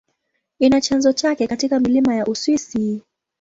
Ina chanzo chake katika milima ya Uswisi.